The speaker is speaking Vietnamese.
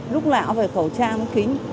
lúc nào cũng phải khẩu trang kính